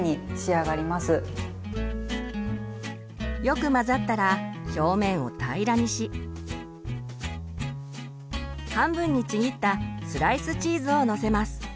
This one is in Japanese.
よく混ざったら表面を平らにし半分にちぎったスライスチーズをのせます。